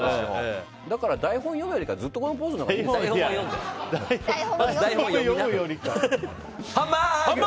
だから、台本を読むよりかずっとこのポーズのほうが台本読みな。